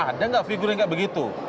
ada figur yang tidak begitu